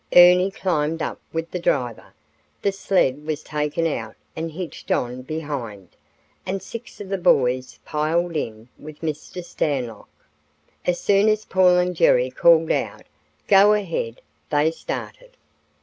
Ernie climbed up with the driver, the sled was taken out and hitched on behind, and six of the boys "piled in" with Mr. Stanlock. As soon as Paul and Jerry called out "Go ahead," they started.